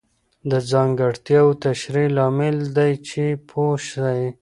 د ځانګړتیاوو تشریح لامل دی چې پوه سئ.